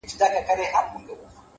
o قاضي صاحبه ملامت نه یم؛ بچي وږي وه؛